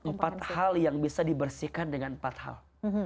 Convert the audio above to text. empat hal yang bisa dibersihkan dengan empat hal